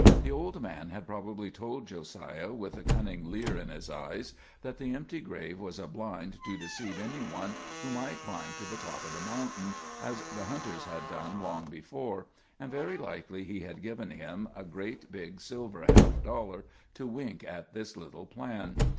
The old man had probably told Josiah, with a cunning leer in his eyes, that the empty grave was a blind to deceive any one who might climb to the top of the mountain, as the hunters had done long before, and very likely he had given him a great big silver half dollar to wink at this little plan.